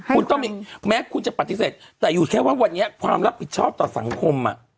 คุณต้องมีแม้คุณจะปฏิเสธแต่อยู่แค่ว่าวันนี้ความรับผิดชอบต่อสังคม